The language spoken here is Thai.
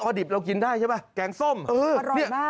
อ๊ะออดิบเรากินได้ใช่ไหมแกงส้มอื้ออร่อยมากฮะเนี่ย